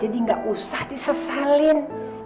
jadi gak usah disesalin